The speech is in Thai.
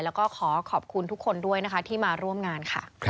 แล้วก็ขอขอบคุณทุกคนด้วยนะคะที่มาร่วมงานค่ะ